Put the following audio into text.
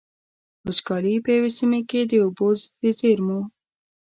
وچکالي په يوې سيمې کې د اوبو د زېرمو.